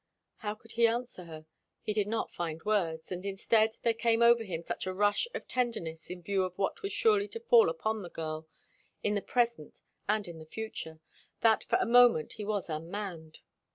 How could he answer her? He did not find words. And instead, there came over him such a rush of tenderness in view of what was surely to fall upon the girl, in the present and in the future, that for a moment he was unmanned.